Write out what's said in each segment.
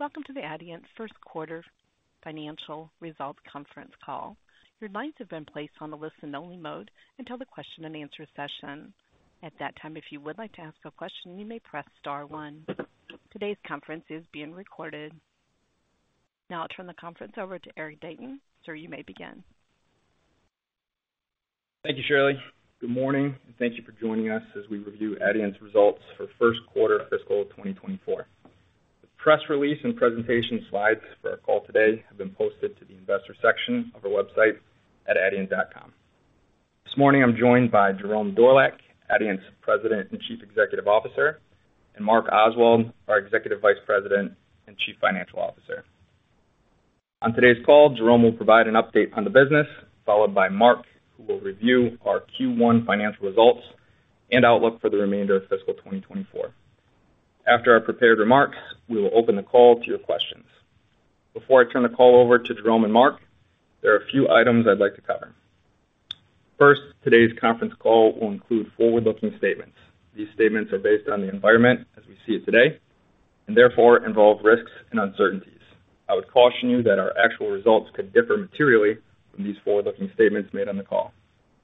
Welcome to the Adient First Quarter Financial Results conference call. Your lines have been placed on a listen-only mode until the question and answer session. At that time, if you would like to ask a question, you may press star one. Today's conference is being recorded. Now I'll turn the conference over to Eric Dayton. Sir, you may begin. Thank you, Shirley. Good morning, and thank you for joining us as we review Adient's results for first quarter fiscal 2024. The press release and presentation slides for our call today have been posted to the investor section of our website at adient.com. This morning, I'm joined by Jerome Dorlack, Adient's President and Chief Executive Officer, and Mark Oswald, our Executive Vice President and Chief Financial Officer. On today's call, Jerome will provide an update on the business, followed by Mark, who will review our Q1 financial results and outlook for the remainder of fiscal 2024. After our prepared remarks, we will open the call to your questions. Before I turn the call over to Jerome and Mark, there are a few items I'd like to cover. First, today's conference call will include forward-looking statements. These statements are based on the environment as we see it today, and therefore involve risks and uncertainties. I would caution you that our actual results could differ materially from these forward-looking statements made on the call.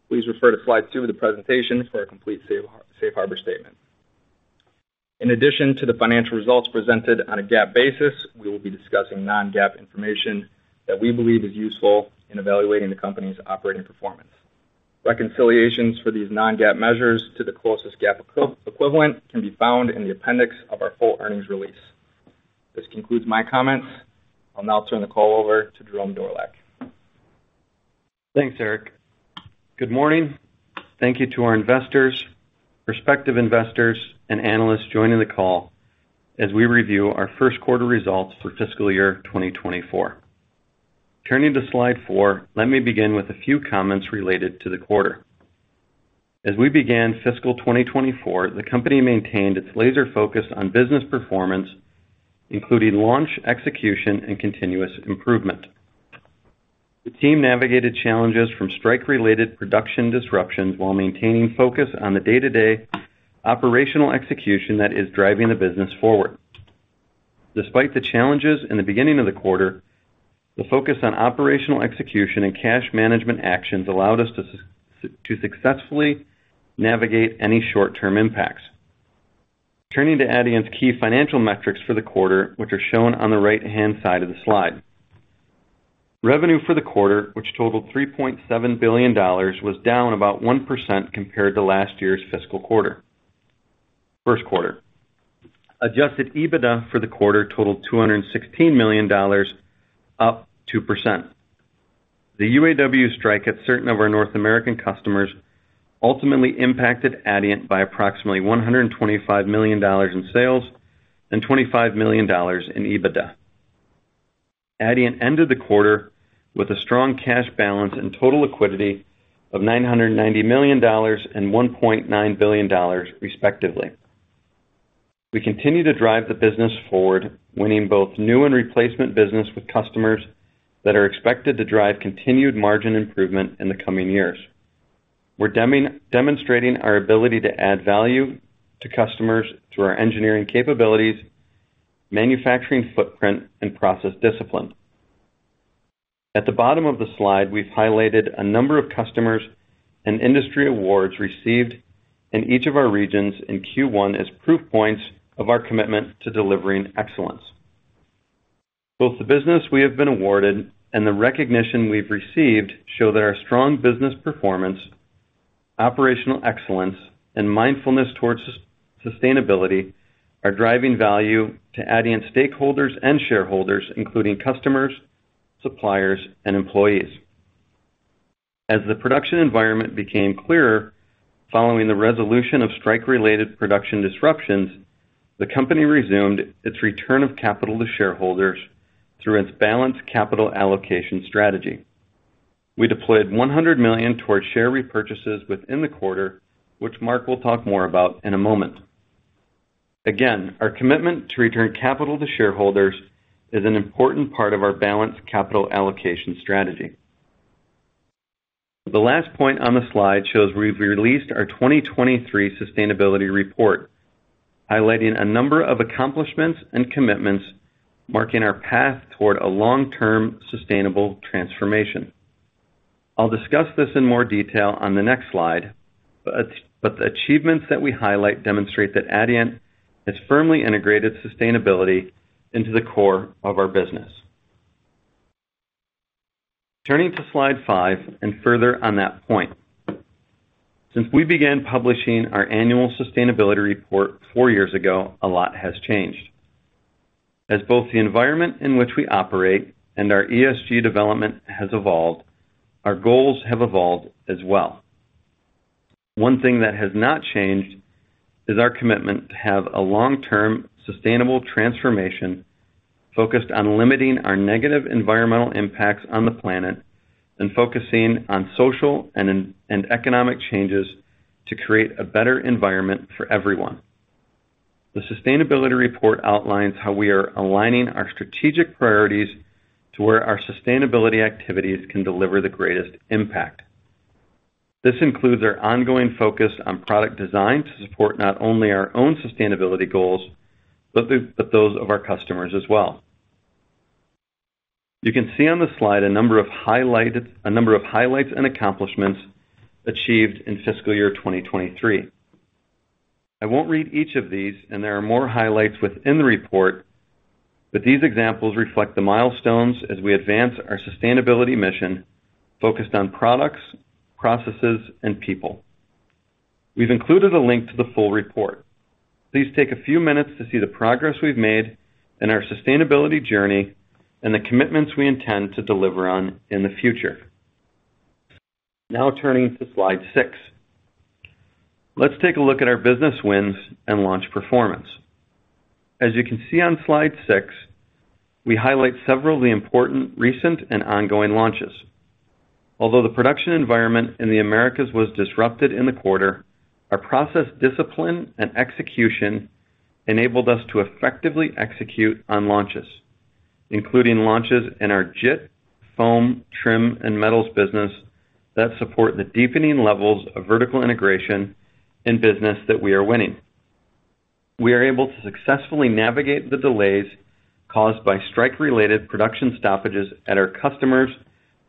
Please refer to slide two of the presentation for a complete safe harbor statement. In addition to the financial results presented on a GAAP basis, we will be discussing non-GAAP information that we believe is useful in evaluating the company's operating performance. Reconciliations for these non-GAAP measures to the closest GAAP equivalent can be found in the appendix of our full earnings release. This concludes my comments. I'll now turn the call over to Jerome Dorlack. Thanks, Eric. Good morning. Thank you to our investors, prospective investors, and analysts joining the call as we review our first quarter results for fiscal year 2024. Turning to slide 4, let me begin with a few comments related to the quarter. As we began fiscal 2024, the company maintained its laser focus on business performance, including launch, execution, and continuous improvement. The team navigated challenges from strike-related production disruptions while maintaining focus on the day-to-day operational execution that is driving the business forward. Despite the challenges in the beginning of the quarter, the focus on operational execution and cash management actions allowed us to successfully navigate any short-term impacts. Turning to Adient's key financial metrics for the quarter, which are shown on the right-hand side of the slide. Revenue for the quarter, which totaled $3.7 billion, was down about 1% compared to last year's first quarter. Adjusted EBITDA for the quarter totaled $216 million, up 2%. The UAW strike at certain of our North American customers ultimately impacted Adient by approximately $125 million in sales and $25 million in EBITDA. Adient ended the quarter with a strong cash balance and total liquidity of $990 million and $1.9 billion, respectively. We continue to drive the business forward, winning both new and replacement business with customers that are expected to drive continued margin improvement in the coming years. We're demonstrating our ability to add value to customers through our engineering capabilities, manufacturing footprint, and process discipline. At the bottom of the slide, we've highlighted a number of customers and industry awards received in each of our regions in Q1 as proof points of our commitment to delivering excellence. Both the business we have been awarded and the recognition we've received show that our strong business performance, operational excellence, and mindfulness towards sustainability are driving value to Adient stakeholders and shareholders, including customers, suppliers, and employees. As the production environment became clearer following the resolution of strike-related production disruptions, the company resumed its return of capital to shareholders through its balanced capital allocation strategy. We deployed $100 million towards share repurchases within the quarter, which Mark will talk more about in a moment. Again, our commitment to return capital to shareholders is an important part of our balanced capital allocation strategy. The last point on the slide shows we've released our 2023 sustainability report, highlighting a number of accomplishments and commitments, marking our path toward a long-term sustainable transformation. I'll discuss this in more detail on the next slide, but the achievements that we highlight demonstrate that Adient has firmly integrated sustainability into the core of our business. Turning to slide 5, further on that point. Since we began publishing our annual sustainability report 4 years ago, a lot has changed. As both the environment in which we operate and our ESG development has evolved, our goals have evolved as well. One thing that has not changed is our commitment to have a long-term sustainable transformation focused on limiting our negative environmental impacts on the planet and focusing on social and economic changes to create a better environment for everyone. The sustainability report outlines how we are aligning our strategic priorities to where our sustainability activities can deliver the greatest impact. This includes our ongoing focus on product design to support not only our own sustainability goals, but those of our customers as well. You can see on the slide a number of highlights and accomplishments achieved in fiscal year 2023. I won't read each of these, and there are more highlights within the report, but these examples reflect the milestones as we advance our sustainability mission focused on products, processes, and people. We've included a link to the full report. Please take a few minutes to see the progress we've made in our sustainability journey and the commitments we intend to deliver on in the future. Now turning to slide 6. Let's take a look at our business wins and launch performance. As you can see on slide six, we highlight several of the important recent and ongoing launches. Although the production environment in the Americas was disrupted in the quarter, our process, discipline, and execution enabled us to effectively execute on launches, including launches in our JIT, foam, trim, and metals business that support the deepening levels of vertical integration in business that we are winning. We are able to successfully navigate the delays caused by strike-related production stoppages at our customers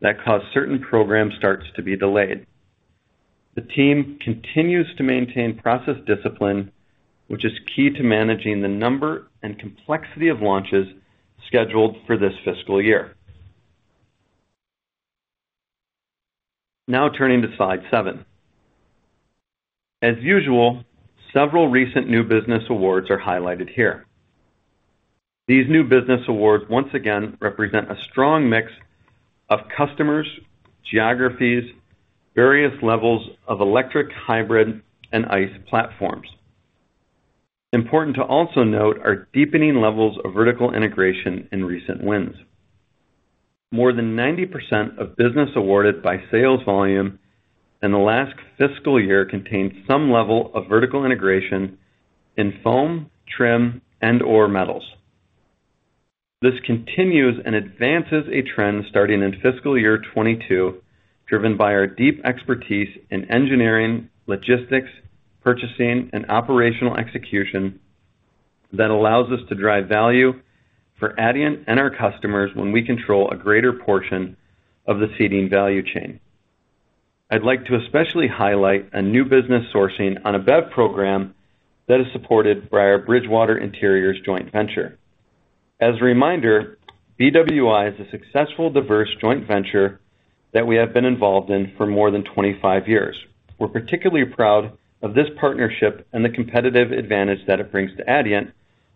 that cause certain program starts to be delayed. The team continues to maintain process discipline, which is key to managing the number and complexity of launches scheduled for this fiscal year. Now turning to slide seven. As usual, several recent new business awards are highlighted here. These new business awards once again represent a strong mix of customers, geographies, various levels of electric, hybrid, and ICE platforms. Important to also note, our deepening levels of vertical integration in recent wins. More than 90% of business awarded by sales volume in the last fiscal year contained some level of vertical integration in foam, trim, and/or metals. This continues and advances a trend starting in fiscal year 2022, driven by our deep expertise in engineering, logistics, purchasing, and operational execution that allows us to drive value for Adient and our customers when we control a greater portion of the seating value chain. I'd like to especially highlight a new business sourcing on a BEV program that is supported by our Bridgewater Interiors joint venture. As a reminder, BWI is a successful, diverse joint venture that we have been involved in for more than 25 years. We're particularly proud of this partnership and the competitive advantage that it brings to Adient,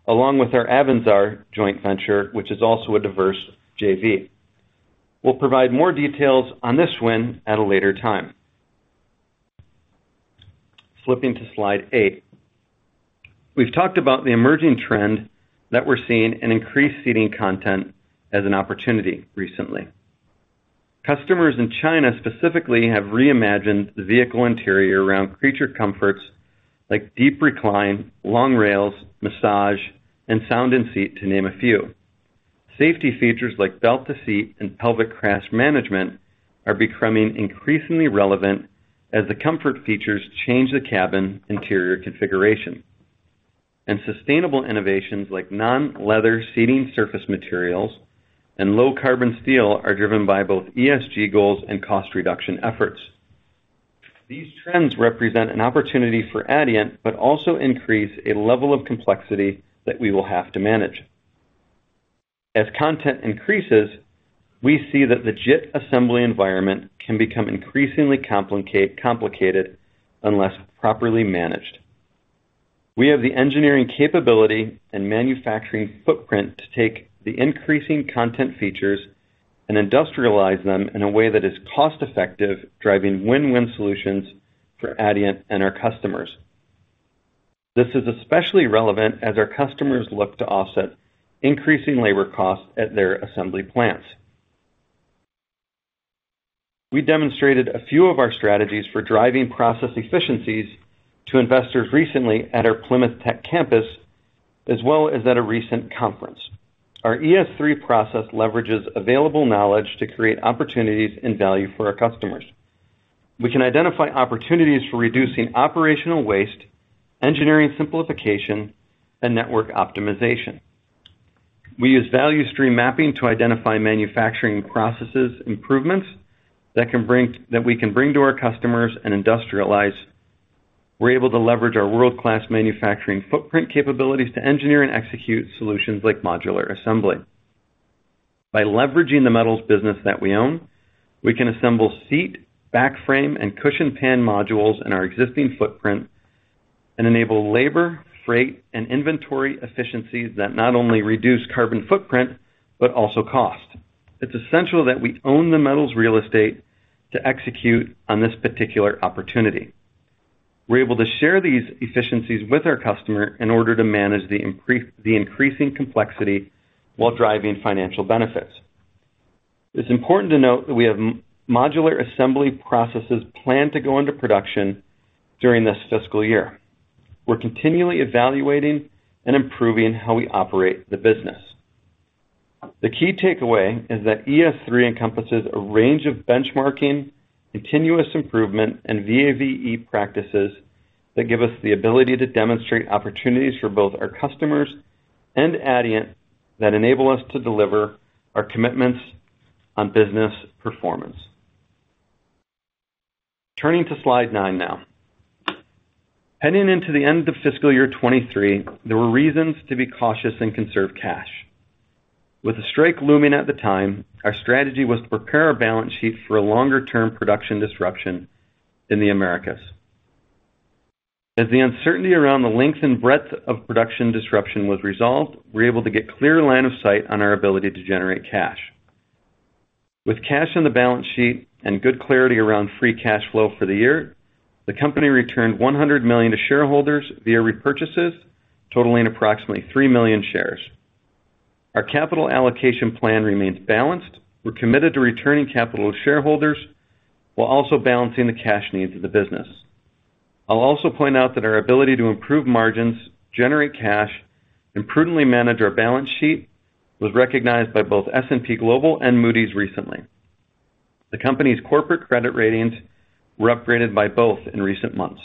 along with our Avanzar joint venture, which is also a diverse JV. We'll provide more details on this win at a later time. Flipping to slide eight. We've talked about the emerging trend that we're seeing in increased seating content as an opportunity recently. Customers in China specifically have reimagined the vehicle interior around creature comforts like deep recline, long rails, massage, and sound in seat, to name a few. Safety features like belt to seat and pelvic crash management are becoming increasingly relevant as the comfort features change the cabin interior configuration. Sustainable innovations like non-leather seating, surface materials, and low carbon steel are driven by both ESG goals and cost reduction efforts. These trends represent an opportunity for Adient, but also increase a level of complexity that we will have to manage. As content increases, we see that the JIT assembly environment can become increasingly complicated unless properly managed. We have the engineering capability and manufacturing footprint to take the increasing content features and industrialize them in a way that is cost-effective, driving win-win solutions for Adient and our customers. This is especially relevant as our customers look to offset increasing labor costs at their assembly plants. We demonstrated a few of our strategies for driving process efficiencies to investors recently at our Plymouth Tech campus, as well as at a recent conference. Our ES3 process leverages available knowledge to create opportunities and value for our customers. We can identify opportunities for reducing operational waste, engineering simplification, and network optimization. We use value stream mapping to identify manufacturing processes, improvements that we can bring to our customers and industrialize. We're able to leverage our world-class manufacturing footprint capabilities to engineer and execute solutions like modular assembly. By leveraging the metals business that we own, we can assemble seat, backframe, and cushion pan modules in our existing footprint and enable labor, freight, and inventory efficiencies that not only reduce carbon footprint, but also cost. It's essential that we own the metals real estate to execute on this particular opportunity. We're able to share these efficiencies with our customer in order to manage the increasing complexity while driving financial benefits. It's important to note that we have modular assembly processes planned to go into production during this fiscal year. We're continually evaluating and improving how we operate the business.... The key takeaway is that ES3 encompasses a range of benchmarking, continuous improvement, and VAVE practices that give us the ability to demonstrate opportunities for both our customers and Adient that enable us to deliver our commitments on business performance. Turning to slide 9 now. Heading into the end of fiscal year 2023, there were reasons to be cautious and conserve cash. With a strike looming at the time, our strategy was to prepare our balance sheet for a longer-term production disruption in the Americas. As the uncertainty around the length and breadth of production disruption was resolved, we were able to get clear line of sight on our ability to generate cash. With cash on the balance sheet and good clarity around free cash flow for the year, the company returned $100 million to shareholders via repurchases, totaling approximately 3 million shares. Our capital allocation plan remains balanced. We're committed to returning capital to shareholders, while also balancing the cash needs of the business. I'll also point out that our ability to improve margins, generate cash, and prudently manage our balance sheet was recognized by both S&P Global and Moody's recently. The company's corporate credit ratings were upgraded by both in recent months.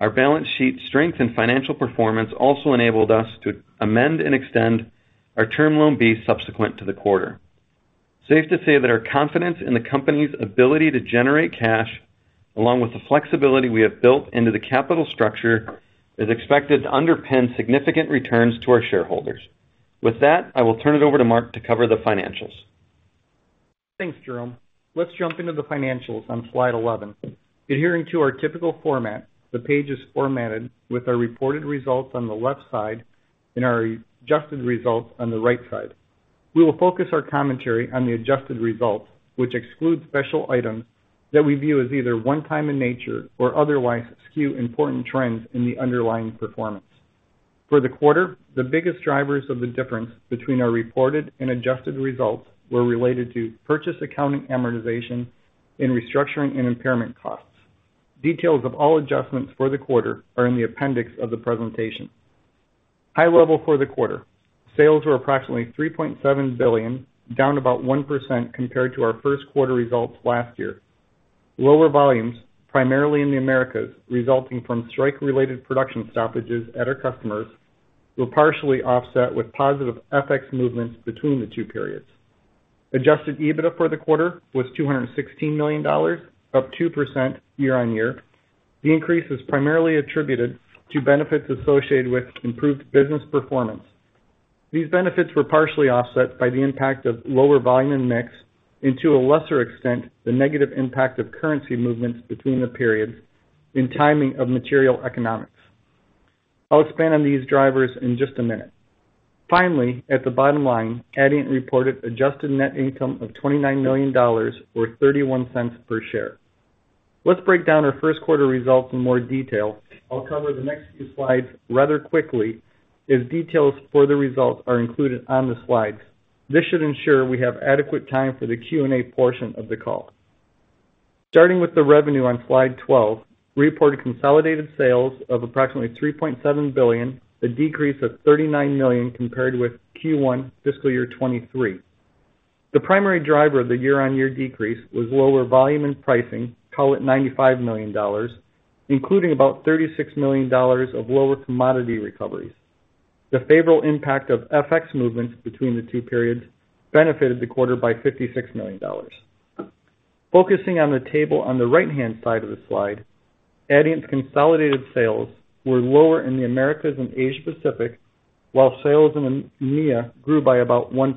Our balance sheet strength and financial performance also enabled us to amend and extend our Term Loan B subsequent to the quarter. Safe to say that our confidence in the company's ability to generate cash, along with the flexibility we have built into the capital structure, is expected to underpin significant returns to our shareholders. With that, I will turn it over to Mark to cover the financials. Thanks, Jerome. Let's jump into the financials on slide 11. Adhering to our typical format, the page is formatted with our reported results on the left side and our adjusted results on the right side. We will focus our commentary on the adjusted results, which exclude special items that we view as either one-time in nature or otherwise skew important trends in the underlying performance. For the quarter, the biggest drivers of the difference between our reported and adjusted results were related to purchase accounting amortization and restructuring and impairment costs. Details of all adjustments for the quarter are in the appendix of the presentation. High level for the quarter, sales were approximately $3.7 billion, down about 1% compared to our first quarter results last year. Lower volumes, primarily in the Americas, resulting from strike-related production stoppages at our customers, were partially offset with positive FX movements between the two periods. Adjusted EBITDA for the quarter was $216 million, up 2% year-on-year. The increase is primarily attributed to benefits associated with improved business performance. These benefits were partially offset by the impact of lower volume and mix, and to a lesser extent, the negative impact of currency movements between the periods and timing of material economics. I'll expand on these drivers in just a minute. Finally, at the bottom line, Adient reported adjusted net income of $29 million, or $0.31 per share. Let's break down our first quarter results in more detail. I'll cover the next few slides rather quickly, as details for the results are included on the slides. This should ensure we have adequate time for the Q&A portion of the call. Starting with the revenue on slide 12, we reported consolidated sales of approximately $3.7 billion, a decrease of $39 million compared with Q1 fiscal year 2023. The primary driver of the year-on-year decrease was lower volume and pricing, call it $95 million, including about $36 million of lower commodity recoveries. The favorable impact of FX movements between the two periods benefited the quarter by $56 million. Focusing on the table on the right-hand side of the slide, Adient's consolidated sales were lower in the Americas and Asia Pacific, while sales in EMEA grew by about 1%.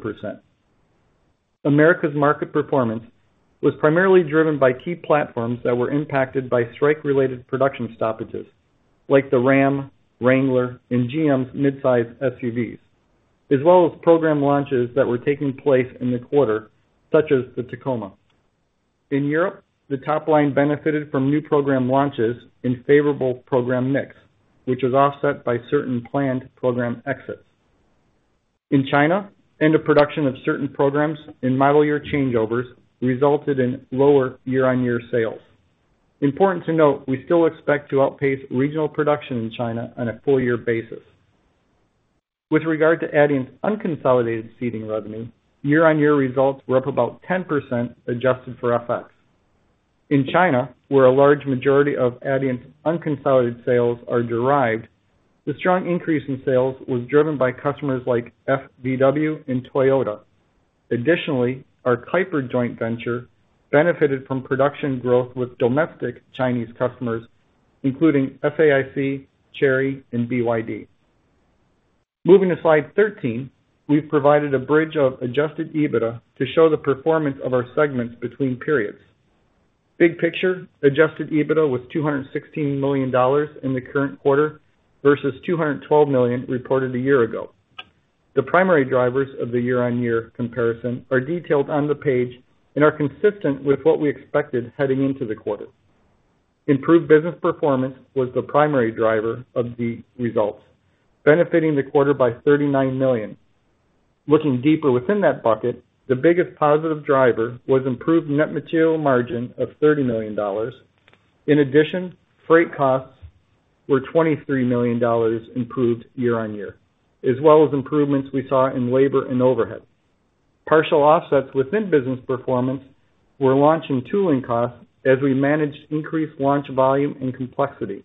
America's market performance was primarily driven by key platforms that were impacted by strike-related production stoppages, like the Ram, Wrangler, and GM's mid-size SUVs, as well as program launches that were taking place in the quarter, such as the Tacoma. In Europe, the top line benefited from new program launches and favorable program mix, which was offset by certain planned program exits. In China, end-of-production of certain programs and model year changeovers resulted in lower year-over-year sales. Important to note, we still expect to outpace regional production in China on a full year basis. With regard to Adient's unconsolidated seating revenue, year-over-year results were up about 10% adjusted for FX. In China, where a large majority of Adient's unconsolidated sales are derived, the strong increase in sales was driven by customers like FAW and Toyota. Additionally, our Keiper joint venture benefited from production growth with domestic Chinese customers, including SAIC, Chery, and BYD. Moving to slide 13, we've provided a bridge of Adjusted EBITDA to show the performance of our segments between periods. Big picture, Adjusted EBITDA was $216 million in the current quarter versus $212 million reported a year ago. The primary drivers of the year-on-year comparison are detailed on the page and are consistent with what we expected heading into the quarter. Improved business performance was the primary driver of the results, benefiting the quarter by $39 million. Looking deeper within that bucket, the biggest positive driver was improved net material margin of $30 million. In addition, freight costs were $23 million improved year on year, as well as improvements we saw in labor and overhead. Partial offsets within business performance were launch and tooling costs as we managed increased launch volume and complexity,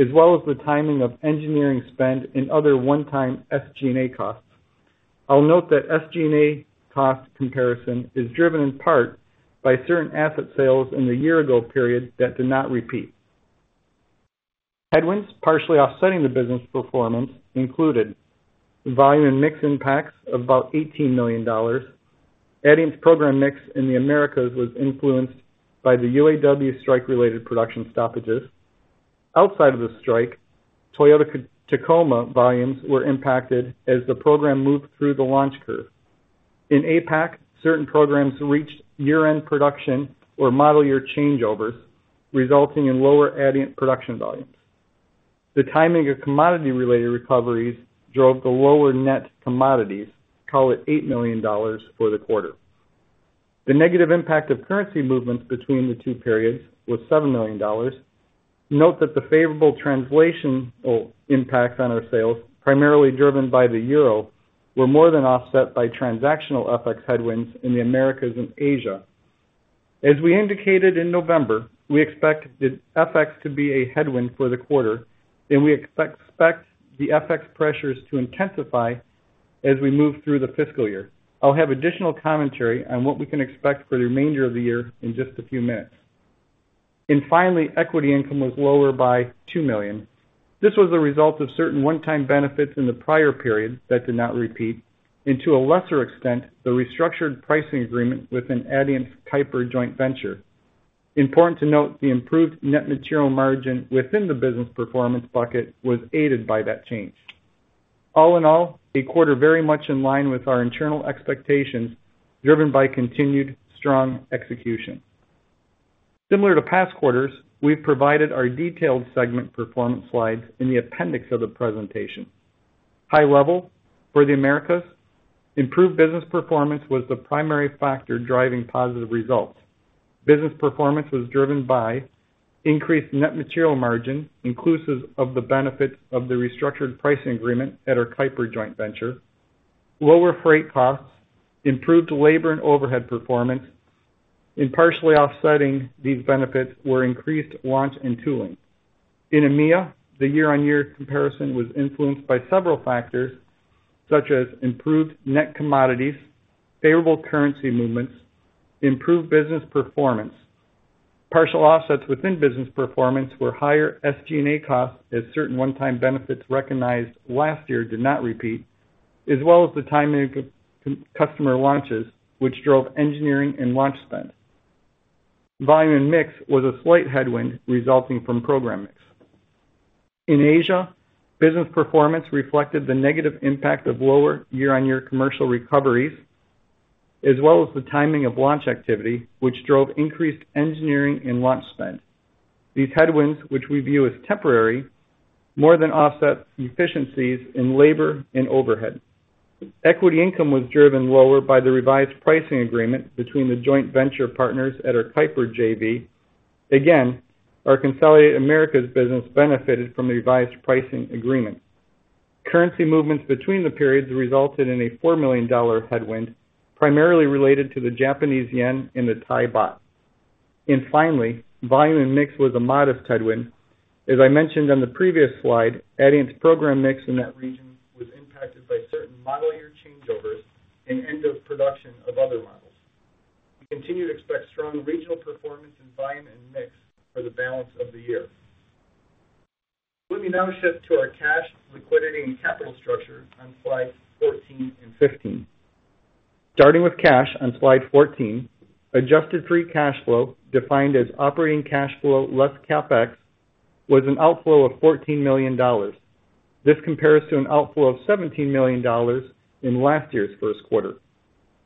as well as the timing of engineering spend and other one-time SG&A costs. I'll note that SG&A cost comparison is driven in part by certain asset sales in the year-ago period that did not repeat. Headwinds, partially offsetting the business performance, included volume and mix impacts of about $18 million. Adient's program mix in the Americas was influenced by the UAW strike-related production stoppages. Outside of the strike, Toyota Tacoma volumes were impacted as the program moved through the launch curve. In APAC, certain programs reached year-end production or model year changeovers, resulting in lower Adient production volumes. The timing of commodity-related recoveries drove the lower net commodities, call it $8 million for the quarter. The negative impact of currency movements between the two periods was $7 million. Note that the favorable translation or impacts on our sales, primarily driven by the euro, were more than offset by transactional FX headwinds in the Americas and Asia. As we indicated in November, we expect the FX to be a headwind for the quarter, and we expect the FX pressures to intensify as we move through the fiscal year. I'll have additional commentary on what we can expect for the remainder of the year in just a few minutes. And finally, equity income was lower by $2 million. This was a result of certain one-time benefits in the prior period that did not repeat, and to a lesser extent, the restructured pricing agreement with an Adient Keiper joint venture. Important to note, the improved net material margin within the business performance bucket was aided by that change. All in all, a quarter very much in line with our internal expectations, driven by continued strong execution. Similar to past quarters, we've provided our detailed segment performance slides in the appendix of the presentation. High level, for the Americas, improved business performance was the primary factor driving positive results. Business performance was driven by increased net material margin, inclusive of the benefit of the restructured pricing agreement at our Keiper joint venture, lower freight costs, improved labor and overhead performance. In partially offsetting these benefits were increased launch and tooling. In EMEA, the year-on-year comparison was influenced by several factors, such as improved net commodities, favorable currency movements, improved business performance. Partial offsets within business performance were higher SG&A costs, as certain one-time benefits recognized last year did not repeat, as well as the timing of customer launches, which drove engineering and launch spend. Volume and mix was a slight headwind resulting from program mix. In Asia, business performance reflected the negative impact of lower year-on-year commercial recoveries, as well as the timing of launch activity, which drove increased engineering and launch spend. These headwinds, which we view as temporary, more than offset efficiencies in labor and overhead. Equity income was driven lower by the revised pricing agreement between the joint venture partners at our Keiper JV. Again, our consolidated Americas business benefited from the revised pricing agreement. Currency movements between the periods resulted in a $4 million headwind, primarily related to the Japanese yen and the Thai baht. Finally, volume and mix was a modest headwind. As I mentioned on the previous slide, Adient's program mix in that region was impacted by certain model year changeovers and end of production of other models. We continue to expect strong regional performance in volume and mix for the balance of the year. Let me now shift to our cash, liquidity, and capital structure on slides 14 and 15. Starting with cash on slide 14, adjusted free cash flow, defined as operating cash flow less CapEx, was an outflow of $14 million. This compares to an outflow of $17 million in last year's first quarter.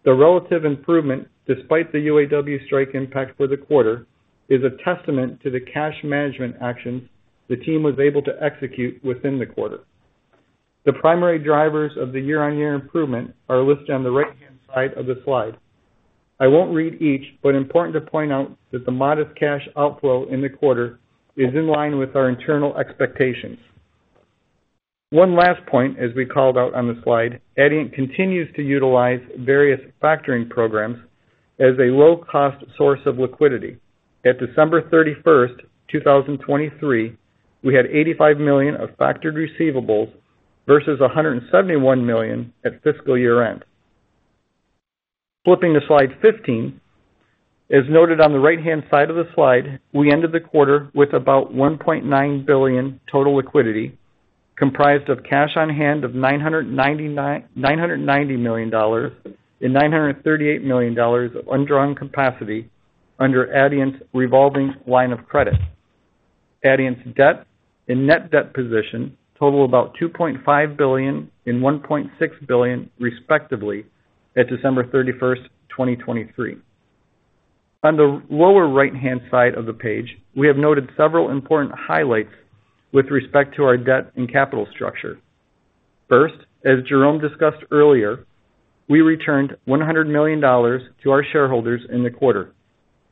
The relative improvement, despite the UAW strike impact for the quarter, is a testament to the cash management actions the team was able to execute within the quarter. The primary drivers of the year-on-year improvement are listed on the right-hand side of the slide. I won't read each, but important to point out that the modest cash outflow in the quarter is in line with our internal expectations. One last point, as we called out on the slide, Adient continues to utilize various factoring programs as a low-cost source of liquidity. At December 31, 2023, we had $85 million of factored receivables versus $171 million at fiscal year-end. Flipping to slide 15, as noted on the right-hand side of the slide, we ended the quarter with about $1.9 billion total liquidity, comprised of cash on hand of $990 million and $938 million of undrawn capacity under Adient's revolving line of credit. Adient's debt and net debt position total about $2.5 billion and $1.6 billion, respectively, at December 31, 2023. On the lower right-hand side of the page, we have noted several important highlights with respect to our debt and capital structure.... First, as Jerome discussed earlier, we returned $100 million to our shareholders in the quarter.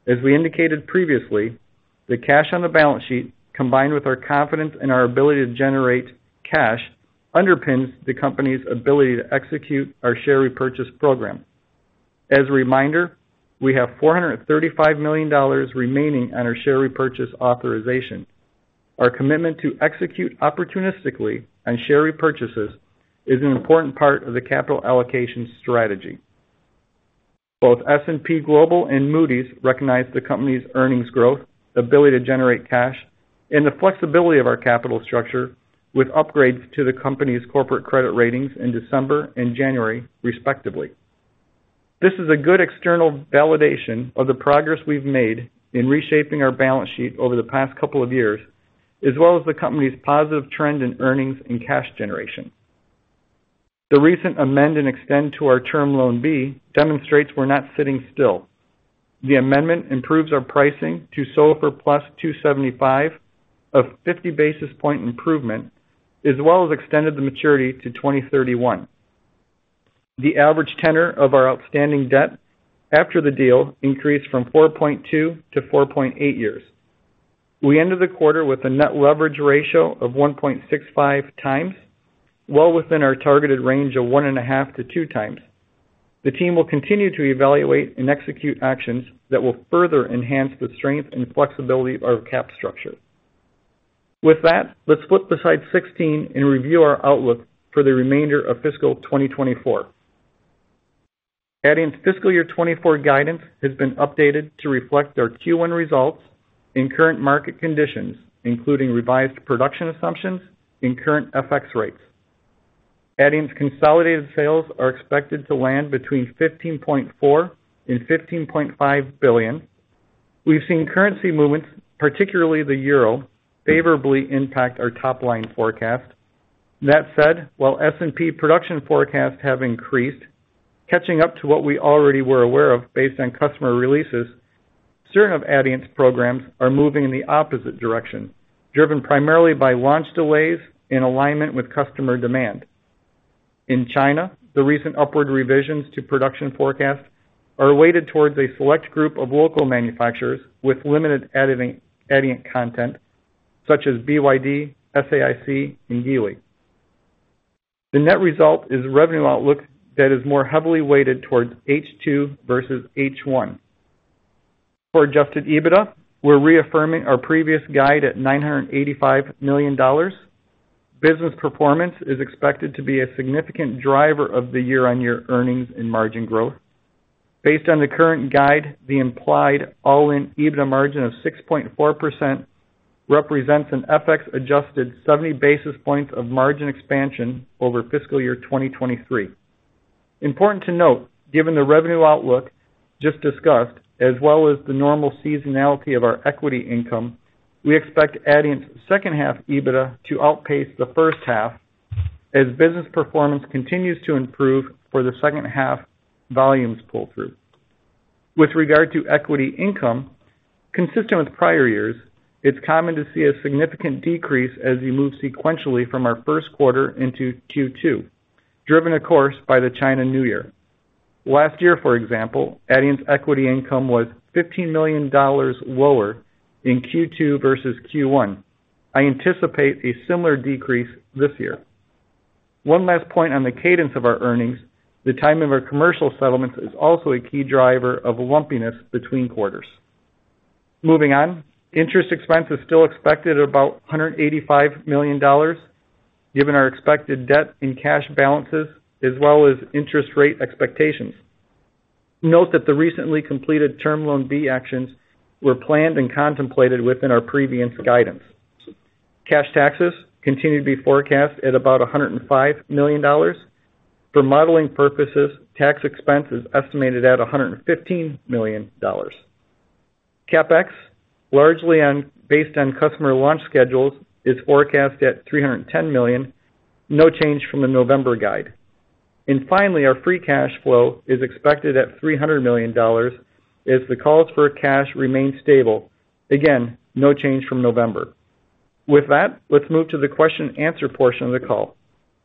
As we indicated previously, the cash on the balance sheet, combined with our confidence in our ability to generate cash, underpins the company's ability to execute our share repurchase program. As a reminder, we have $435 million remaining on our share repurchase authorization. Our commitment to execute opportunistically on share repurchases is an important part of the capital allocation strategy. Both S&P Global and Moody's recognize the company's earnings growth, ability to generate cash, and the flexibility of our capital structure with upgrades to the company's corporate credit ratings in December and January, respectively. This is a good external validation of the progress we've made in reshaping our balance sheet over the past couple of years, as well as the company's positive trend in earnings and cash generation. The recent amend and extend to our Term Loan B demonstrates we're not sitting still. The amendment improves our pricing to SOFR plus 275, a 50 basis point improvement, as well as extended the maturity to 2031. The average tenor of our outstanding debt after the deal increased from 4.2-4.8 years. We ended the quarter with a net leverage ratio of 1.65 times, well within our targeted range of 1.5-2 times. The team will continue to evaluate and execute actions that will further enhance the strength and flexibility of our capital structure. With that, let's flip to slide 16 and review our outlook for the remainder of fiscal 2024. Adient's fiscal year 2024 guidance has been updated to reflect our Q1 results in current market conditions, including revised production assumptions and current FX rates. Adient's consolidated sales are expected to land between $15.4 billion-$15.5 billion. We've seen currency movements, particularly the euro, favorably impact our top-line forecast. That said, while S&P production forecasts have increased, catching up to what we already were aware of based on customer releases, certain of Adient's programs are moving in the opposite direction, driven primarily by launch delays in alignment with customer demand. In China, the recent upward revisions to production forecasts are weighted towards a select group of local manufacturers with limited Adient content, such as BYD, SAIC, and Geely. The net result is a revenue outlook that is more heavily weighted towards H2 versus H1. For adjusted EBITDA, we're reaffirming our previous guide at $985 million. Business performance is expected to be a significant driver of the year-on-year earnings and margin growth. Based on the current guide, the implied all-in EBITDA margin of 6.4% represents an FX-adjusted 70 basis points of margin expansion over fiscal year 2023. Important to note, given the revenue outlook just discussed, as well as the normal seasonality of our equity income, we expect Adient's second half EBITDA to outpace the first half, as business performance continues to improve for the second half volumes pull-through. With regard to equity income, consistent with prior years, it's common to see a significant decrease as you move sequentially from our first quarter into Q2, driven, of course, by the Chinese New Year. Last year, for example, Adient's equity income was $15 million lower in Q2 versus Q1. I anticipate a similar decrease this year. One last point on the cadence of our earnings, the timing of our commercial settlements is also a key driver of lumpiness between quarters. Moving on. Interest expense is still expected at about $185 million, given our expected debt and cash balances, as well as interest rate expectations. Note that the recently completed Term Loan B actions were planned and contemplated within our previous guidance. Cash taxes continue to be forecast at about $105 million. For modeling purposes, tax expense is estimated at $115 million. CapEx, largely based on customer launch schedules, is forecast at $310 million, no change from the November guide. And finally, our free cash flow is expected at $300 million as the calls for cash remain stable. Again, no change from November. With that, let's move to the question and answer portion of the call.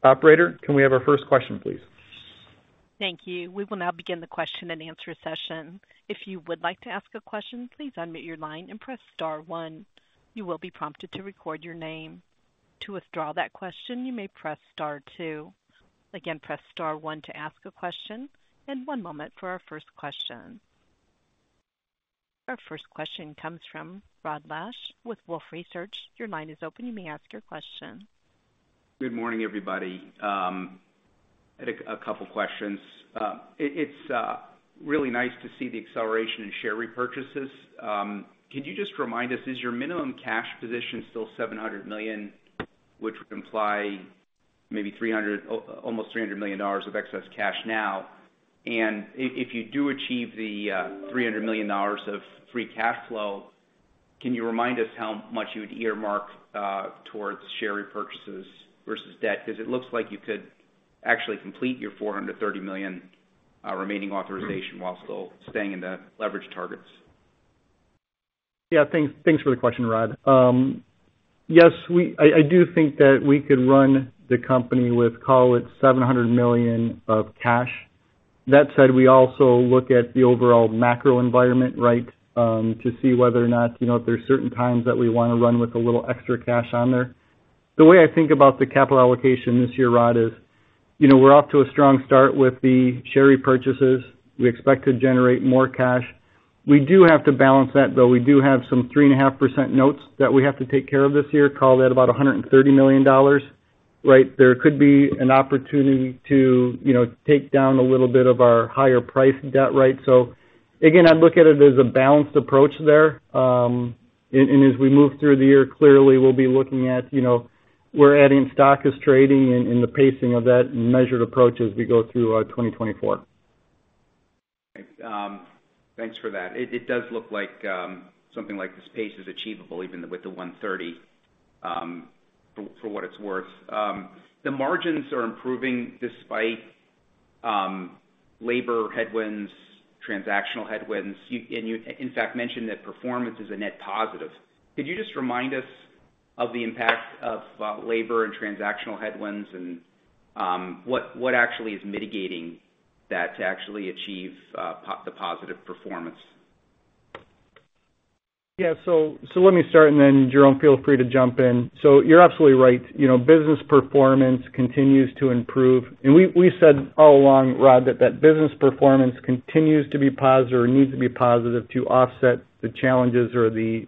Operator, can we have our first question, please? Thank you. We will now begin the question and answer session. If you would like to ask a question, please unmute your line and press star one. You will be prompted to record your name. To withdraw that question, you may press Star two. Again, press Star one to ask a question, and one moment for our first question. Our first question comes from Rod Lache with Wolfe Research. Your line is open, you may ask your question. Good morning, everybody. I had a couple questions. It's really nice to see the acceleration in share repurchases. Could you just remind us, is your minimum cash position still $700 million, which would imply maybe almost $300 million of excess cash now? And if you do achieve the $300 million of free cash flow, can you remind us how much you would earmark towards share repurchases versus debt? Because it looks like you could actually complete your $430 million remaining authorization while still staying in the leverage targets.... Yeah, thanks, thanks for the question, Rod. Yes, we—I, I do think that we could run the company with, call it, $700 million of cash. That said, we also look at the overall macro environment, right, to see whether or not, you know, if there are certain times that we want to run with a little extra cash on there. The way I think about the capital allocation this year, Rod, is, you know, we're off to a strong start with the share repurchases. We expect to generate more cash. We do have to balance that, though. We do have some 3.5% notes that we have to take care of this year, call that about $130 million, right? There could be an opportunity to, you know, take down a little bit of our higher price debt, right? So again, I'd look at it as a balanced approach there. As we move through the year, clearly, we'll be looking at, you know, where Adient stock is trading and the pacing of that and measured approach as we go through 2024. Great. Thanks for that. It does look like something like this pace is achievable, even with the 130, for what it's worth. The margins are improving despite labor headwinds, transactional headwinds. You, in fact, mentioned that performance is a net positive. Could you just remind us of the impact of labor and transactional headwinds and what actually is mitigating that to actually achieve the positive performance? Yeah. So let me start, and then, Jerome, feel free to jump in. So you're absolutely right. You know, business performance continues to improve, and we said all along, Rod, that business performance continues to be positive or needs to be positive to offset the challenges or the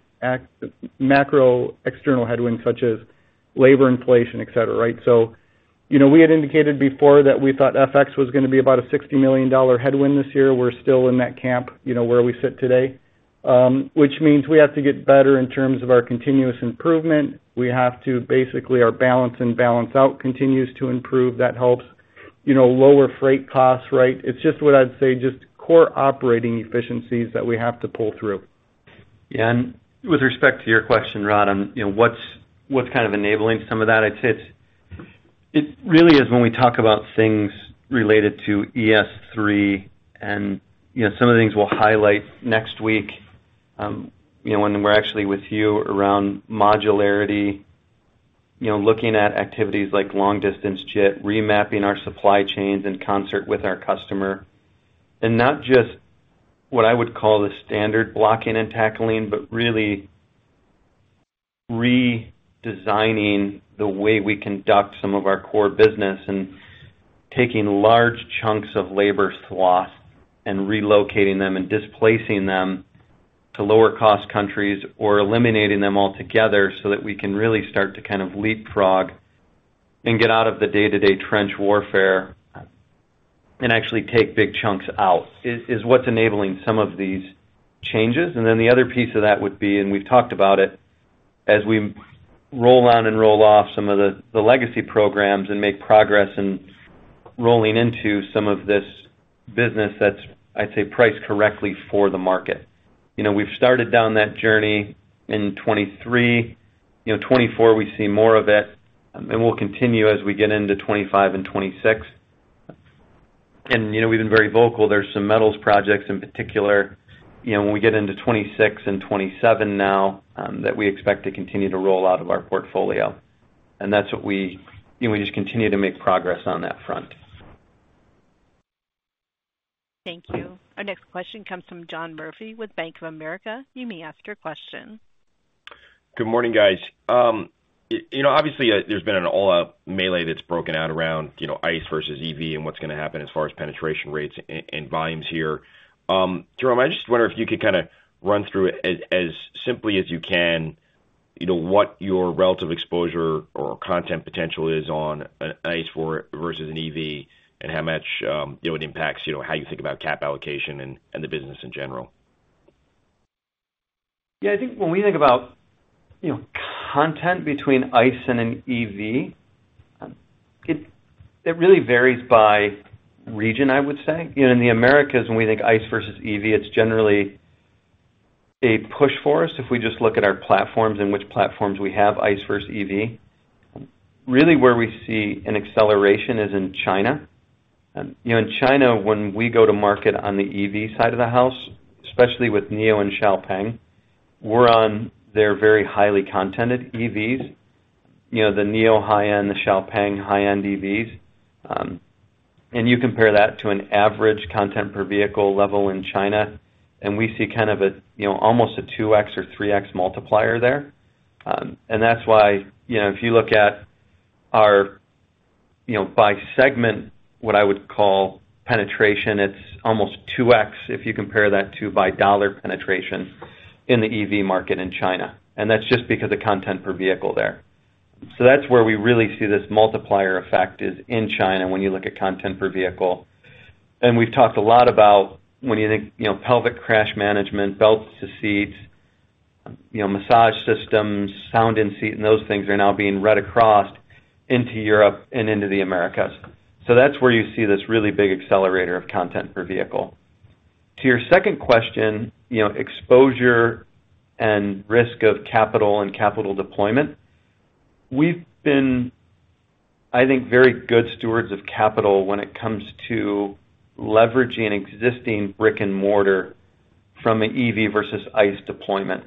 macro external headwinds, such as labor inflation, et cetera, right? So, you know, we had indicated before that we thought FX was gonna be about a $60 million headwind this year. We're still in that camp, you know, where we sit today, which means we have to get better in terms of our continuous improvement. We have to basically, our balance and balance out continues to improve. That helps. You know, lower freight costs, right? It's just what I'd say, just core operating efficiencies that we have to pull through. Yeah, and with respect to your question, Rod, on, you know, what's, what's kind of enabling some of that, I'd say it's... It really is when we talk about things related to ES3 and, you know, some of the things we'll highlight next week, you know, when we're actually with you around modularity, you know, looking at activities like long-distance JIT, remapping our supply chains in concert with our customer. And not just what I would call the standard blocking and tackling, but really redesigning the way we conduct some of our core business, and taking large chunks of labor slots and relocating them and displacing them to lower-cost countries, or eliminating them altogether, so that we can really start to kind of leapfrog and get out of the day-to-day trench warfare, and actually take big chunks out, is, is what's enabling some of these changes. And then the other piece of that would be, and we've talked about it, as we roll on and roll off some of the legacy programs and make progress in rolling into some of this business that's, I'd say, priced correctly for the market. You know, we've started down that journey in 2023. You know, 2024, we see more of it, and we'll continue as we get into 2025 and 2026. And, you know, we've been very vocal. There's some metals projects in particular, you know, when we get into 2026 and 2027 now, that we expect to continue to roll out of our portfolio. And that's what we, you know, we just continue to make progress on that front. Thank you. Our next question comes from John Murphy with Bank of America. You may ask your question. Good morning, guys. You know, obviously, there's been an all-out melee that's broken out around, you know, ICE versus EV and what's gonna happen as far as penetration rates and, and volumes here. Jerome, I just wonder if you could kinda run through, as, as simply as you can, you know, what your relative exposure or content potential is on an ICE vehicle versus an EV, and how much, you know, it impacts, you know, how you think about cap allocation and, and the business in general. Yeah, I think when we think about, you know, content between ICE and an EV, it really varies by region, I would say. You know, in the Americas, when we think ICE versus EV, it's generally a push for us if we just look at our platforms and which platforms we have, ICE versus EV. Really, where we see an acceleration is in China. You know, in China, when we go to market on the EV side of the house, especially with NIO and XPeng, we're on their very highly contented EVs. You know, the NIO high-end, the XPeng high-end EVs. And you compare that to an average content per vehicle level in China, and we see kind of a, you know, almost a 2x or 3x multiplier there. And that's why, you know, if you look at our, you know, by segment, what I would call penetration, it's almost 2x if you compare that to by dollar penetration in the EV market in China, and that's just because of content per vehicle there. So that's where we really see this multiplier effect is in China when you look at content per vehicle. And we've talked a lot about when you think, you know, pelvic crash management, belts to seats, you know, massage systems, sound in seat, and those things are now being read across into Europe and into the Americas. So that's where you see this really big accelerator of content per vehicle. To your second question, you know, exposure and risk of capital and capital deployment, we've been-... I think very good stewards of capital when it comes to leveraging existing brick-and-mortar from an EV versus ICE deployment.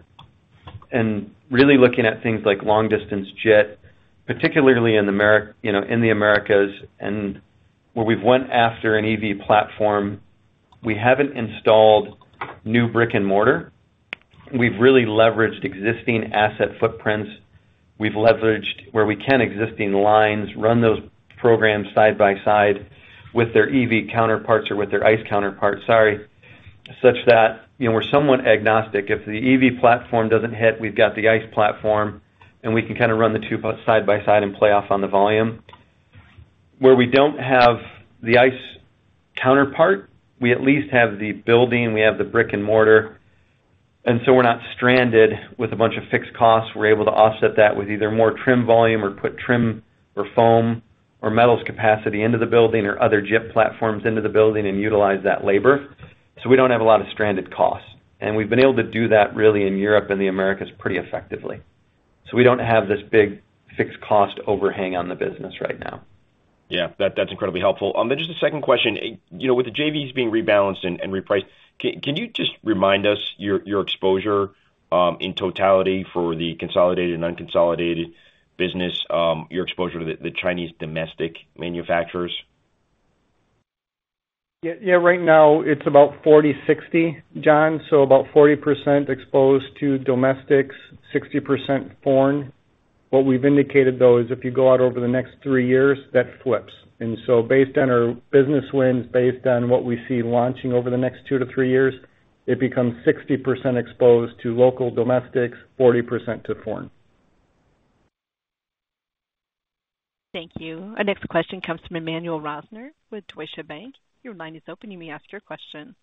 Really looking at things like long distance JIT, particularly in Amer- you know, in the Americas and where we've went after an EV platform, we haven't installed new brick-and-mortar. We've really leveraged existing asset footprints. We've leveraged where we can, existing lines, run those programs side by side with their EV counterparts or with their ICE counterparts, sorry, such that, you know, we're somewhat agnostic. If the EV platform doesn't hit, we've got the ICE platform, and we can kind of run the two side by side and play off on the volume. Where we don't have the ICE counterpart, we at least have the building, we have the brick and mortar, and so we're not stranded with a bunch of fixed costs. We're able to offset that with either more trim volume or put trim or foam or metals capacity into the building or other JIT platforms into the building and utilize that labor. So we don't have a lot of stranded costs, and we've been able to do that really in Europe and the Americas pretty effectively. So we don't have this big fixed cost overhang on the business right now. Yeah, that's incredibly helpful. Just a second question. You know, with the JVs being rebalanced and repriced, can you just remind us your exposure in totality for the consolidated and unconsolidated business, your exposure to the Chinese domestic manufacturers? Yeah, yeah, right now it's about 40/60, John. So about 40% exposed to domestics, 60% foreign. What we've indicated, though, is if you go out over the next 3 years, that flips. So based on our business wins, based on what we see launching over the next 2-3 years, it becomes 60% exposed to local domestics, 40% to foreign. Thank you. Our next question comes from Emmanuel Rosner with Deutsche Bank. Your line is open. You may ask your question.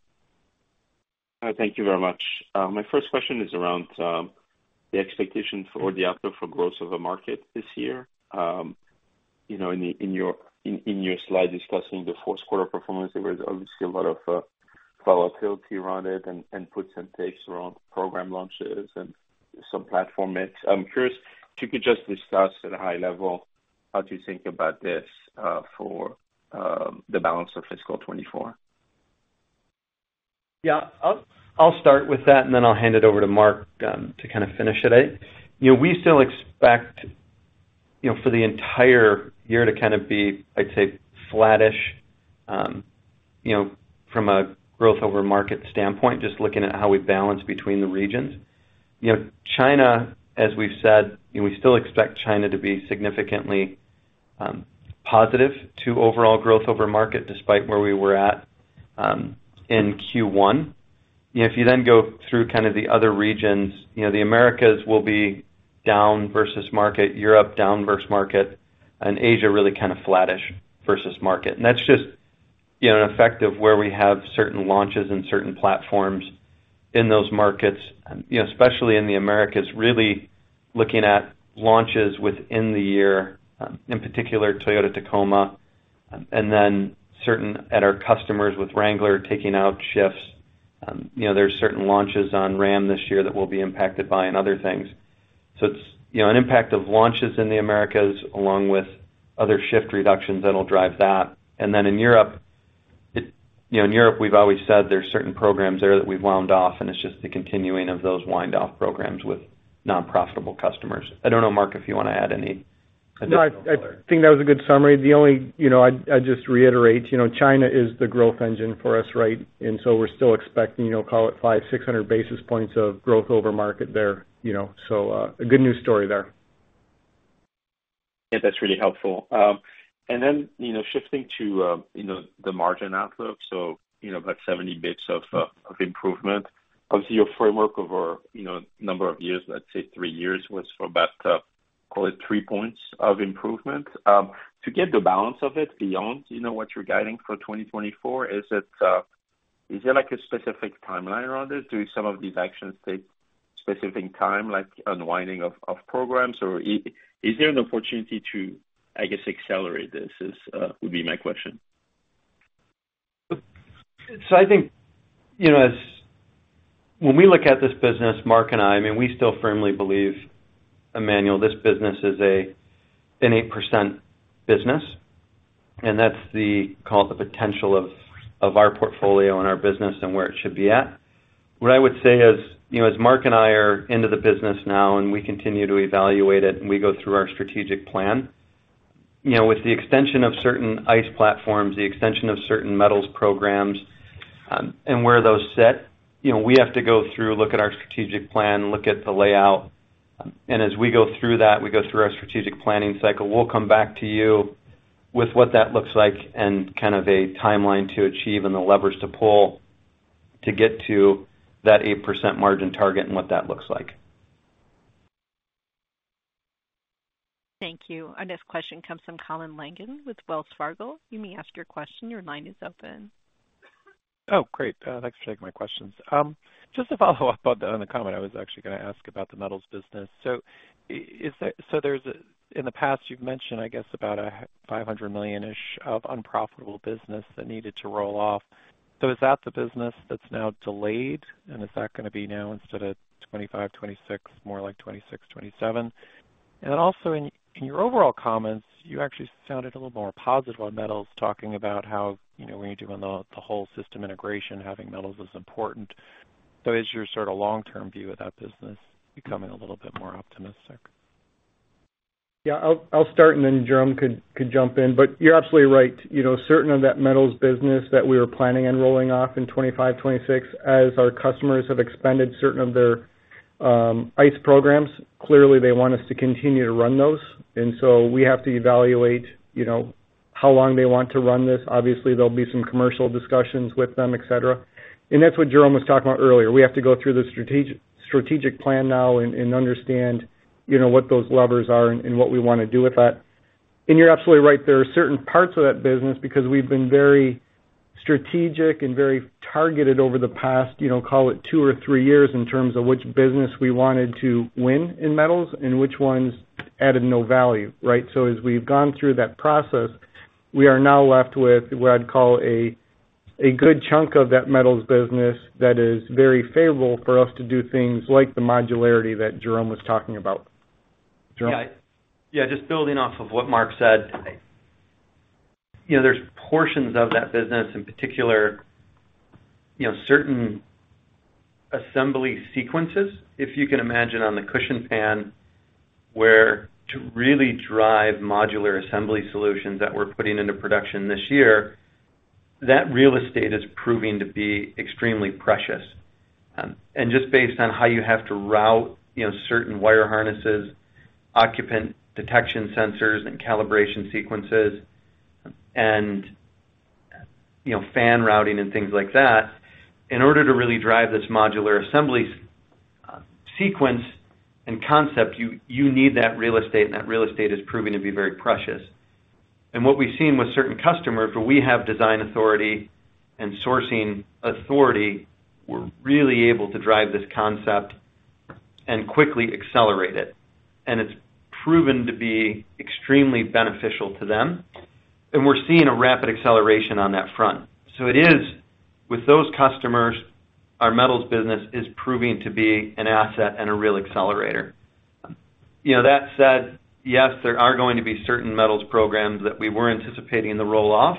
Thank you very much. My first question is around the expectation for the outlook for growth of the market this year. You know, in your slide discussing the fourth quarter performance, there was obviously a lot of volatility around it and puts and takes around program launches and some platform mix. I'm curious if you could just discuss at a high level how to think about this for the balance of fiscal 2024. Yeah. I'll start with that, and then I'll hand it over to Mark to kind of finish it. You know, we still expect, you know, for the entire year to kind of be, I'd say, flattish, you know, from a Growth Over Market standpoint, just looking at how we balance between the regions. You know, China, as we've said, and we still expect China to be significantly positive to overall Growth Over Market despite where we were at in Q1. You know, if you then go through kind of the other regions, you know, the Americas will be down versus market, Europe, down versus market, and Asia really kind of flattish versus market. And that's just, you know, an effect of where we have certain launches and certain platforms in those markets, you know, especially in the Americas, really looking at launches within the year, in particular, Toyota Tacoma, and then certain at our customers with Wrangler taking out shifts. You know, there's certain launches on Ram this year that will be impacted by and other things. So it's, you know, an impact of launches in the Americas, along with other shift reductions that'll drive that. And then in Europe, it, you know, in Europe, we've always said there's certain programs there that we've wound off, and it's just the continuing of those wind-off programs with non-profitable customers. I don't know, Mark, if you want to add any additional color. No, I think that was a good summary. The only... You know, I'd just reiterate, you know, China is the growth engine for us, right? And so we're still expecting, you know, call it 500-600 basis points of growth over market there, you know, so, a good news story there. Yeah, that's really helpful. And then, you know, shifting to, you know, the margin outlook, so, you know, about 70 basis points of improvement. Obviously, your framework over, you know, number of years, let's say 3 years, was for about, call it 3 points of improvement. To get the balance of it beyond, you know, what you're guiding for 2024, is it, is there like a specific timeline around it? Do some of these actions take specific time, like unwinding of programs? Or is there an opportunity to, I guess, accelerate this, would be my question. So I think, you know, when we look at this business, Mark and I, I mean, we still firmly believe, Emmanuel, this business is a, an 8% business, and that's the, call it, the potential of, of our portfolio and our business and where it should be at. What I would say is, you know, as Mark and I are into the business now, and we continue to evaluate it, and we go through our strategic plan, you know, with the extension of certain ICE platforms, the extension of certain metals programs, and where those sit, you know, we have to go through, look at our strategic plan, look at the layout, and as we go through that, we go through our strategic planning cycle. We'll come back to you with what that looks like and kind of a timeline to achieve and the levers to pull to get to that 8% margin target and what that looks like. Thank you. Our next question comes from Colin Langan with Wells Fargo. You may ask your question. Your line is open. Oh, great. Thanks for taking my questions. Just a follow-up on the comment. I was actually gonna ask about the metals business. So is there-- so there's a-- in the past, you've mentioned, I guess, about a $500 million-ish of unprofitable business that needed to roll off. So is that the business that's now delayed, and is that gonna be now, instead of 2025, 2026, more like 2026, 2027?... And then also in your overall comments, you actually sounded a little more positive on metals, talking about how, you know, when you're doing the whole system integration, having metals is important. So is your sort of long-term view of that business becoming a little bit more optimistic? Yeah, I'll start, and then Jerome could jump in. But you're absolutely right. You know, certain of that metals business that we were planning on rolling off in 2025, 2026, as our customers have expanded certain of their ICE programs, clearly they want us to continue to run those, and so we have to evaluate, you know, how long they want to run this. Obviously, there'll be some commercial discussions with them, et cetera. And that's what Jerome was talking about earlier. We have to go through the strategic plan now and understand, you know, what those levers are and what we wanna do with that. You're absolutely right, there are certain parts of that business, because we've been very strategic and very targeted over the past, you know, call it two or three years, in terms of which business we wanted to win in metals and which ones added no value, right? So as we've gone through that process, we are now left with what I'd call a good chunk of that metals business that is very favorable for us to do things like the modularity that Jerome was talking about. Jerome? Yeah, yeah, just building off of what Mark said. You know, there's portions of that business, in particular, you know, certain assembly sequences, if you can imagine, on the cushion pan, where to really drive modular assembly solutions that we're putting into production this year, that real estate is proving to be extremely precious. And just based on how you have to route, you know, certain wire harnesses, occupant detection sensors and calibration sequences and, you know, fan routing and things like that, in order to really drive this modular assembly sequence and concept, you, you need that real estate, and that real estate is proving to be very precious. And what we've seen with certain customers, where we have design authority and sourcing authority, we're really able to drive this concept and quickly accelerate it, and it's proven to be extremely beneficial to them. We're seeing a rapid acceleration on that front. It is, with those customers, our metals business is proving to be an asset and a real accelerator. You know, that said, yes, there are going to be certain metals programs that we were anticipating the roll-off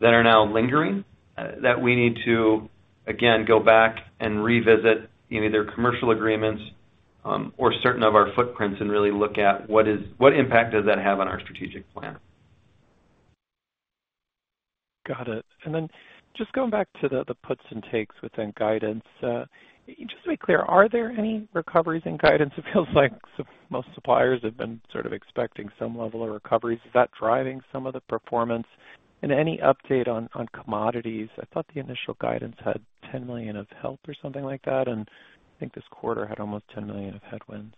that are now lingering, that we need to again, go back and revisit either commercial agreements, or certain of our footprints and really look at what is, what impact does that have on our strategic plan? Got it. And then just going back to the puts and takes within guidance, just to be clear, are there any recoveries in guidance? It feels like most suppliers have been sort of expecting some level of recoveries. Is that driving some of the performance? And any update on commodities? I thought the initial guidance had $10 million of help or something like that, and I think this quarter had almost $10 million of headwinds.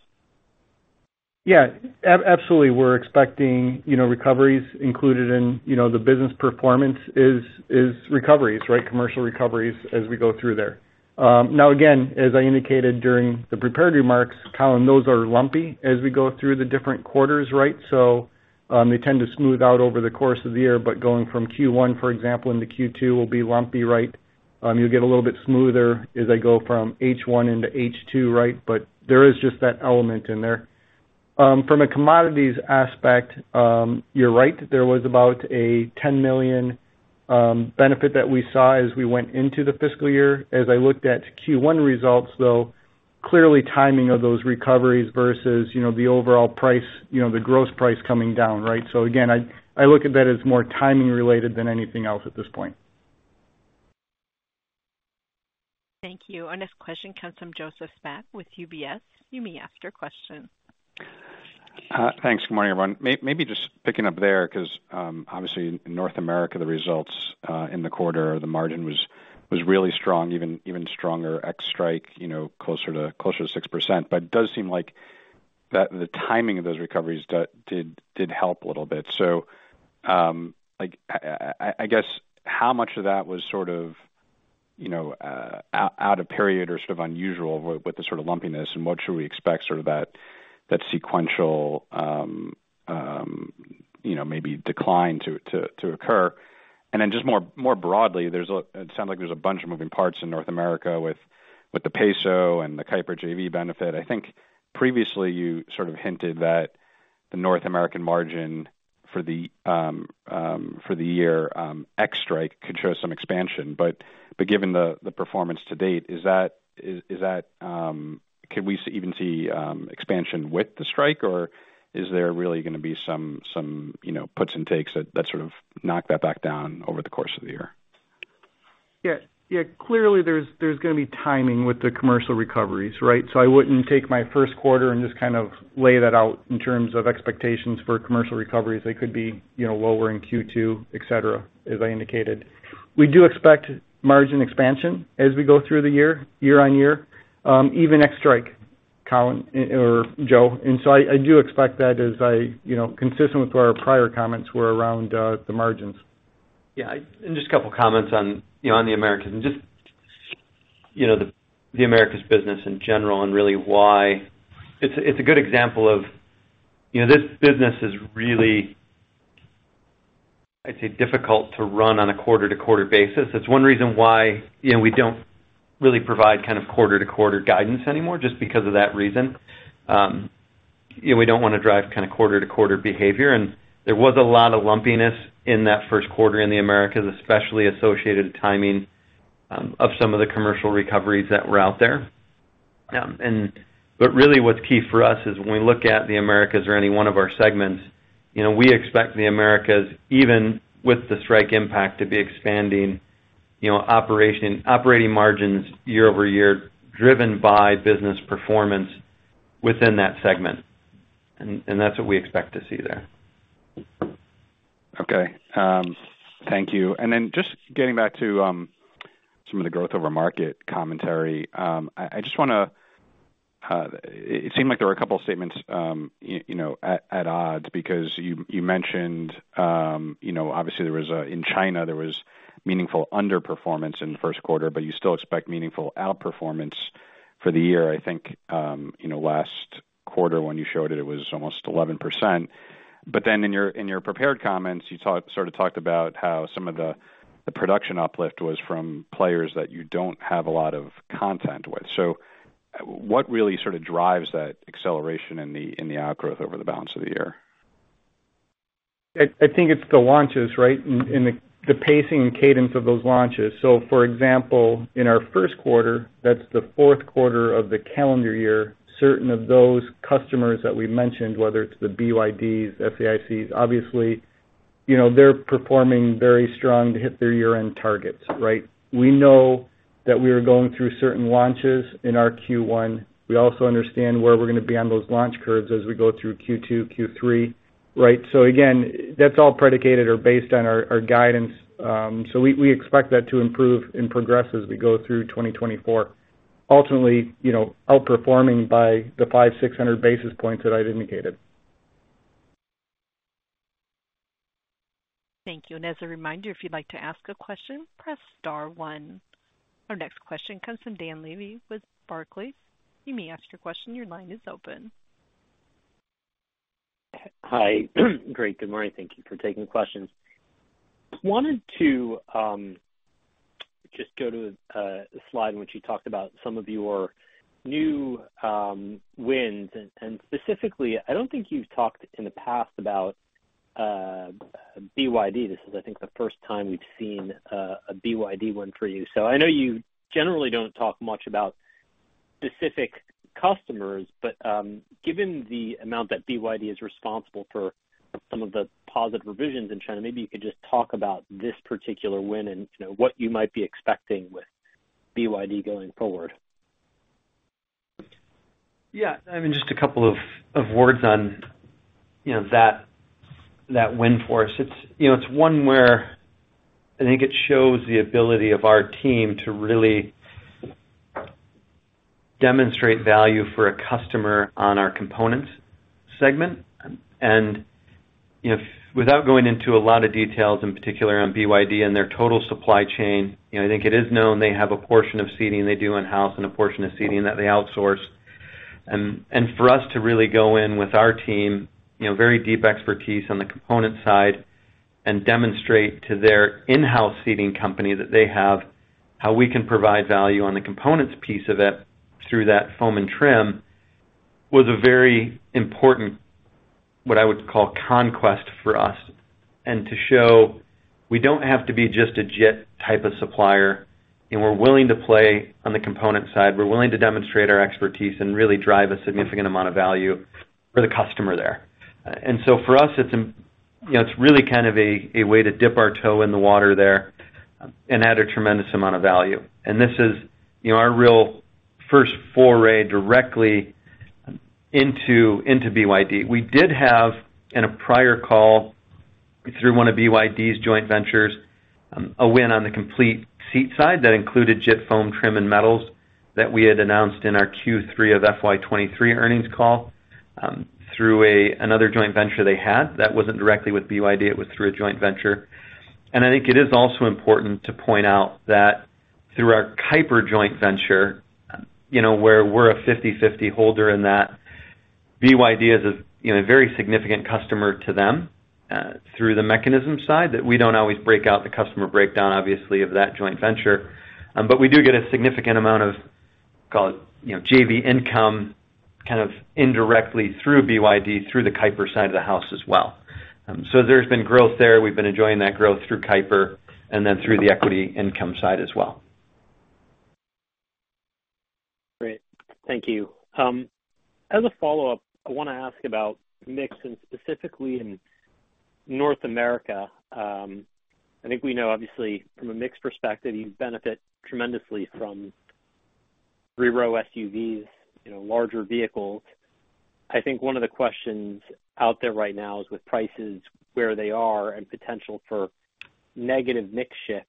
Yeah, absolutely. We're expecting, you know, recoveries included in, you know, the business performance is, is recoveries, right? Commercial recoveries as we go through there. Now, again, as I indicated during the prepared remarks, Colin, those are lumpy as we go through the different quarters, right? So, they tend to smooth out over the course of the year, but going from Q1, for example, into Q2, will be lumpy, right? You'll get a little bit smoother as I go from H1 into H2, right? But there is just that element in there. From a commodities aspect, you're right, there was about a $10 million benefit that we saw as we went into the fiscal year. As I looked at Q1 results, though, clearly timing of those recoveries versus, you know, the overall price, you know, the gross price coming down, right? So again, I look at that as more timing related than anything else at this point. Thank you. Our next question comes from Joseph Spak with UBS. You may ask your question. Thanks. Good morning, everyone. Maybe just picking up there, 'cause, obviously in North America, the results in the quarter, the margin was really strong, even stronger, ex strike, you know, closer to 6%. But it does seem like the timing of those recoveries did help a little bit. So, like, I guess how much of that was sort of, you know, out of period or sort of unusual with the sort of lumpiness, and what should we expect sort of that sequential, you know, maybe decline to occur? And then just more broadly, there's a bunch of moving parts in North America with the peso and the Keiper JV benefit. I think previously you sort of hinted that the North American margin for the year ex strike could show some expansion. But given the performance to date, is that... Can we even see expansion with the strike, or is there really gonna be some, you know, puts and takes that sort of knock that back down over the course of the year? Yeah, yeah, clearly there's gonna be timing with the commercial recoveries, right? So I wouldn't take my first quarter and just kind of lay that out in terms of expectations for commercial recoveries. They could be, you know, lower in Q2, et cetera, as I indicated. We do expect margin expansion as we go through the year, year-on-year, even ex strike, Colin or Joe. And so I do expect that as I... You know, consistent with what our prior comments were around the margins. Yeah, and just a couple comments on, you know, on the Americas and just, you know, the Americas business in general and really why it's a good example of, you know, this business is really, I'd say, difficult to run on a quarter-to-quarter basis. It's one reason why, you know, we don't really provide kind of quarter-to-quarter guidance anymore, just because of that reason. Yeah, we don't wanna drive kind of quarter-to-quarter behavior, and there was a lot of lumpiness in that first quarter in the Americas, especially associated with the timing of some of the commercial recoveries that were out there. But really, what's key for us is when we look at the Americas or any one of our segments, you know, we expect the Americas, even with the strike impact, to be expanding, you know, operating margins year-over-year, driven by business performance within that segment, and that's what we expect to see there. Okay. Thank you. And then just getting back to some of the Growth Over Market commentary, I just wanna. It seemed like there were a couple of statements, you know, at odds because you mentioned, you know, obviously there was in China, there was meaningful underperformance in the first quarter, but you still expect meaningful outperformance for the year. I think, you know, last quarter when you showed it, it was almost 11%. But then in your prepared comments, you sort of talked about how some of the production uplift was from players that you don't have a lot of content with. So what really sort of drives that acceleration in the outgrowth over the balance of the year? I think it's the launches, right? And the pacing and cadence of those launches. So for example, in our first quarter, that's the fourth quarter of the calendar year, certain of those customers that we mentioned, whether it's the BYDs, SAICs, obviously, you know, they're performing very strong to hit their year-end targets, right? We know that we are going through certain launches in our Q1. We also understand where we're gonna be on those launch curves as we go through Q2, Q3, right? So again, that's all predicated or based on our guidance. So we expect that to improve and progress as we go through 2024. Ultimately, you know, outperforming by the 500-600 basis points that I've indicated. Thank you. As a reminder, if you'd like to ask a question, press star one. Our next question comes from Dan Levy with Barclays. You may ask your question. Your line is open. Hi. Great, good morning. Thank you for taking the questions. Wanted to just go to the slide in which you talked about some of your new wins, and specifically, I don't think you've talked in the past about BYD. This is, I think, the first time we've seen a BYD win for you. So I know you generally don't talk much about specific customers, but given the amount that BYD is responsible for some of the positive revisions in China, maybe you could just talk about this particular win and, you know, what you might be expecting with BYD going forward. Yeah, I mean, just a couple of words on, you know, that win for us. It's, you know, one where I think it shows the ability of our team to really demonstrate value for a customer on our components segment. You know, without going into a lot of details, in particular on BYD and their total supply chain, you know, I think it is known they have a portion of seating they do in-house and a portion of seating that they outsource. For us to really go in with our team, you know, very deep expertise on the component side and demonstrate to their in-house seating company that they have, how we can provide value on the components piece of it through that foam and trim, was a very important, what I would call conquest for us. To show we don't have to be just a JIT type of supplier, and we're willing to play on the component side. We're willing to demonstrate our expertise and really drive a significant amount of value for the customer there. So for us, it's, you know, it's really kind of a way to dip our toe in the water there and add a tremendous amount of value. This is, you know, our real first foray directly into BYD. We did have, in a prior call, through one of BYD's joint ventures, a win on the complete seat side that included JIT foam, trim, and metals that we had announced in our Q3 of FY 2023 earnings call, through another joint venture they had. That wasn't directly with BYD, it was through a joint venture. And I think it is also important to point out that through our Keiper joint venture, you know, where we're a 50/50 holder in that, BYD is a, you know, a very significant customer to them, through the mechanism side, that we don't always break out the customer breakdown, obviously, of that joint venture. But we do get a significant amount of, call it, you know, JV income, kind of indirectly through BYD, through the Keiper side of the house as well. So there's been growth there. We've been enjoying that growth through Keiper and then through the equity income side as well. Great. Thank you. As a follow-up, I wanna ask about mix and specifically in North America. I think we know obviously from a mix perspective, you benefit tremendously from three-row SUVs, you know, larger vehicles. I think one of the questions out there right now is with prices where they are and potential for negative mix shift,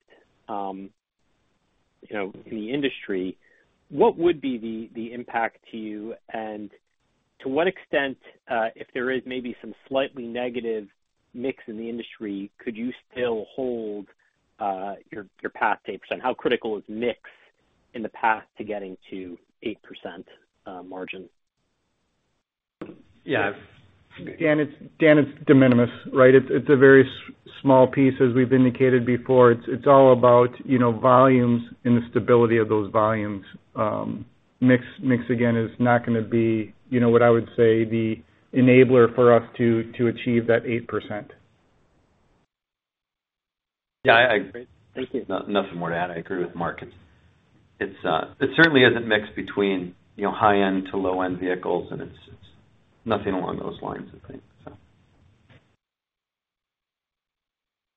you know, in the industry, what would be the, the impact to you? And to what extent, if there is maybe some slightly negative mix in the industry, could you still hold, your, your path to 8%? How critical is mix in the path to getting to 8%, margin? Yeah. Dan, it's de minimis, right? It's a very small piece, as we've indicated before. It's all about, you know, volumes and the stability of those volumes. Mix, mix again, is not gonna be, you know, what I would say, the enabler for us to achieve that 8%. Yeah, I- Great. Thank you. Nothing more to add. I agree with Mark. It's certainly not mixed between, you know, high-end to low-end vehicles, and it's nothing along those lines, I think, so.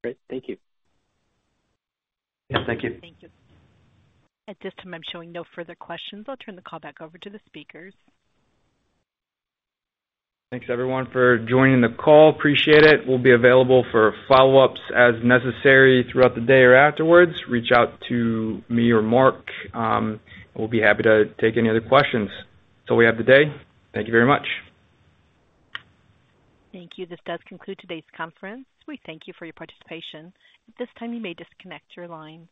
Great. Thank you. Yeah, thank you. Thank you. At this time, I'm showing no further questions. I'll turn the call back over to the speakers. Thanks, everyone, for joining the call. Appreciate it. We'll be available for follow-ups as necessary throughout the day or afterwards. Reach out to me or Mark, we'll be happy to take any other questions. That's all we have today. Thank you very much. Thank you. This does conclude today's conference. We thank you for your participation. At this time, you may disconnect your lines.